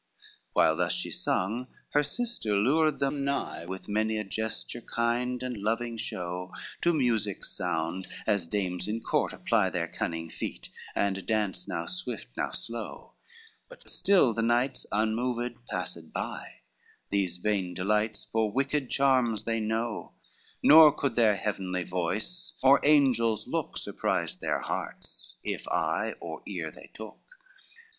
LXV While thus she sung, her sister lured them nigh With many a gesture kind and loving show, To music's sound as dames in court apply Their cunning feet, and dance now swift now slow: But still the knights unmoved passed by, These vain delights for wicked charms they know, Nor could their heavenly voice or angel's look, Surprise their hearts, if eye or ear they took.